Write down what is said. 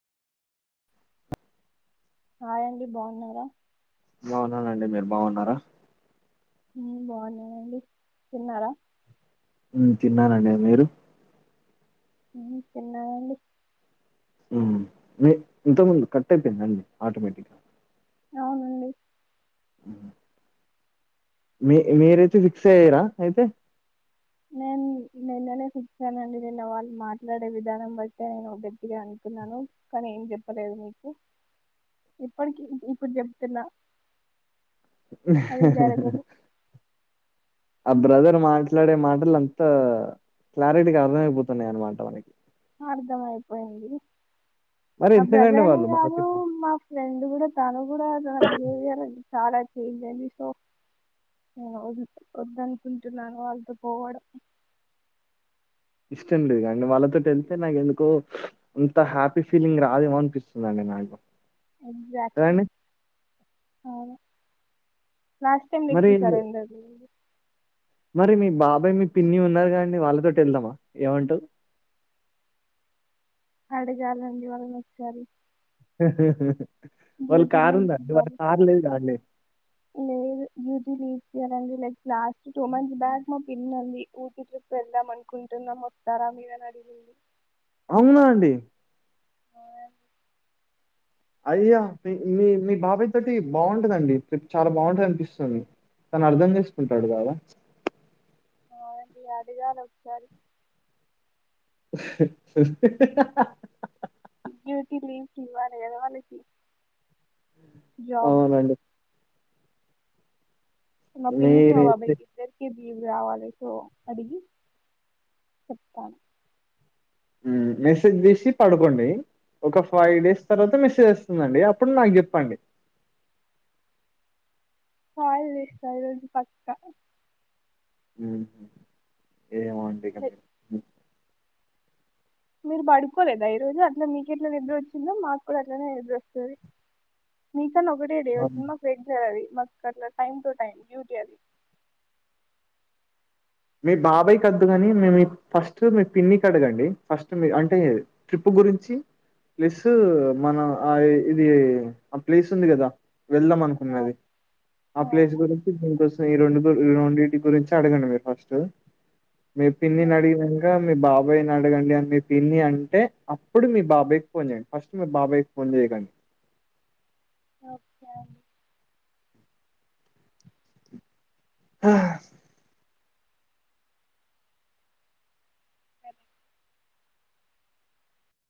రాయండి బాగున్నారా బాగున్నానండి మీరు బాగున్నారా బాగున్నా అండి తిన్నారా తిన్నానండి మీరు తిన్నమడి ఇంతకుముందు కట్ అయిపోయిందండి ఆటోమేటిక్గా అవునండి మీ మీరైతే ఫిక్స్ అయ్యరా అయితే నేను నిన్ననే చచ్చానండి నిన్న వాళ్ళు మాట్లాడే విధానం బట్టే నేను ఒక గటిగా అంటున్నాను కానీ ఏం చెప్పలేదు మీకు ఇప్పటికి ఇప్పుడు చెప్తున్నా అది జరగదు ఆ బ్రదర్ మాట్లాడే మాటలు అంత క్లారిటీకి అర్థమైపోతున్నాయి అనమాట మనకి అర్థమ అపోయాడి మరి ఆ ఎందుకండి బ్రదర్ అనే వాళ్ళు కాదు మనకి మా ఫ్రెండ్ కూడా తను కూడా తన బిహేవియర్ అది సారా చేజది సో మ ద్దను కుంచలాలను వాళ్ళతో పోవడం ఇష్టం లేదు కాండి వాళ్ళతో వెళ్తే నాకు ఎందుకో ఇంత హ్యాపీ ఫీలింగ్ రాదేమో అనిపిస్తుందిండి నాకు ఎగ్సాక్ట్లీ కదండి అవును. లాస్ట్ టైమ్ మీరు మరి తీసార్ ఎందది మరి మీ బాబాయ్, మీ పిన్ని ఉన్నారు కదండి వాళ్ళతోటి వెళ్దామా ఏమంటవు. అడగాలండి వాళ్ళను ఒక్కసారి వాళ్ళు కార్ లీవ్స్ ఉందండి, వాళ్ళకు ఇవ్వాలి కార్ లేదు కదా అండి. లేదు డ్యూటీ లీవ్స్ ఇయ్యరండి, like last two months back మా పిన్ని అంది ఊటి ట్రిప్ వెళ్దాం అనుకుంటున్నాము వస్తారా మీరు అని అడిగింది. అవునా అండి. ఆ అయ్యా మీ మీ మీ బాబాయ్ తోటి బాగుంటదండి ట్రిప్ చాలా బాగుంటది అనిపిస్తుంది తను అర్థం చేసుకుంటాడు కదా. అవునండి అడిగారు ఒకసారి. డ్యూటీ లీవ్స్ ఇవ్వాలి కదా వాళ్ళకి జాబ్ అవునండి. మా పిన్నికి, మా మీరైతే బబాయికి ఇద్దరికి లీవ్ రావాలి సో అడిగి చెప్తాను. హ్మ్ మెసేజ్ చేశి పడుకోండి ఒక ఫైవ్ డేస్ తర్వాత మెసేజ్ వస్తుందండి అప్పుడు నాకు చెప్పండి. కాల్ చేస్తా ఈరోజు పక్కా హుహ్ ఏమో అండి ఇగ మీరు మీరు పడుకోలేదా ఈ రోజు అట్లా మీకెట్లా నిద్ర వచ్చిందో మాకు కూడా అట్లనే నిద్ర వస్తది మీకు [unintelligible] ఒకటే డే అవును. వచ్చింది మా [unintelligible] అది మాకు అట్ల టైం టూ టైం డ్యూటీ అది మీ బాబాయ్ కద్దు కాని మేము ఫస్ట్ మీ పిన్నికి అడగండి ఫస్ట్ మీ అంటే ట్రిప్ గురించి ప్లస్ మన ఆ ఇది ఆ ప్లేస్ ఉంది కదా వెళ్దాం అనుకున్నది, ఆ ప్లేస్ అవును గురించి దీనికోసం ఈ రెండు ఈ రెండిటి గురించి అడగండి మీరు ఫస్ టు మి పిన్ని నీ అడిగినంకా మీ బాబాయిని అడగండి అని మీ పిన్ని అంటే అప్పుడు మీ బాబాయ్కి ఫోన్ చేయండి, ఫస్ట్ మీ బాబాయ్కి ఫోన్ చేయకండి. ఓకే అండి ఆ